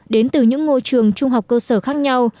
đến từ những ngôi trường trung học cơ sở khác nhau